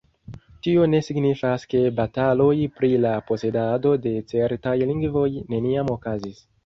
Tio ne signifas ke bataloj pri la posedado de certaj lingvoj neniam okazis